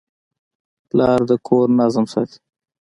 پلار د کور نظم ساتي.